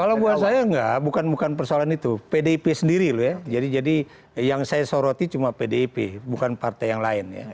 kalau menurut saya tidak bukan persoalan itu pdp sendiri loh ya jadi yang saya soroti cuma pdp bukan partai yang lain